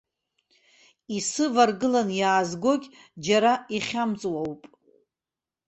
Исываргылан иаазгогь џьара ихьамҵуоуп.